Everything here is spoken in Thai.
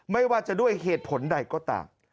ไม่ว่าจะด้วยเหตุผลใดก็ตาม